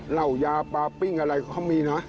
เหล่ายาปลาปิ้งอะไรเขามีนะ